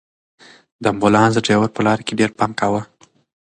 د امبولانس ډرېور په لاره کې ډېر پام کاوه.